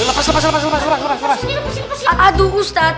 ini bukan tuyul ustadz